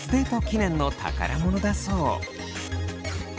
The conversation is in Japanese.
記念の宝物だそう。